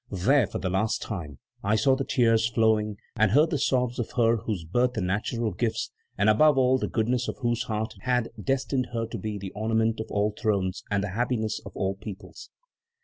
There, for the last time, I saw the tears flowing and heard the sobs of her whose birth and natural gifts, and above all the goodness of whose heart had destined her to be the ornament of all thrones and the happiness of all peoples."